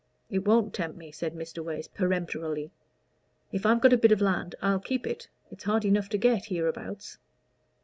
"It won't tempt me," said Mr. Wace, peremptorily, "if I've got a bit of land, I'll keep it. It's hard enough to get hereabouts."